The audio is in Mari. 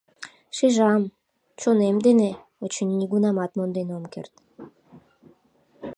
Шижам, чонем дене, очыни, нигунамат монден ом керт!